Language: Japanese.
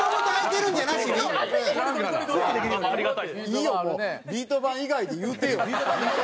いいよもうビート板以外で言うてよ。